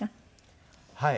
はい。